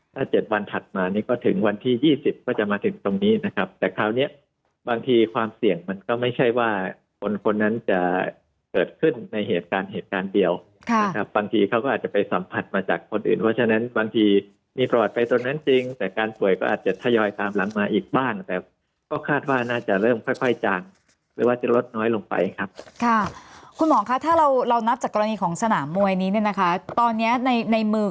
ถ้า๗วันถัดมานี่ก็ถึงวันที่๒๐ก็จะมาถึงตรงนี้นะครับแต่คราวนี้บางทีความเสี่ยงมันก็ไม่ใช่ว่าคนนั้นจะเกิดขึ้นในเหตุการณ์เหตุการณ์เดียวนะครับบางทีเขาก็อาจจะไปสัมผัสมาจากคนอื่นเพราะฉะนั้นบางทีมีประวัติไปตรงนั้นจริงแต่การป่วยก็อาจจะทยอยตามล้ำมาอีกบ้างแต่ก็คาดว่าน่าจะเริ่มค่อยจากหรือ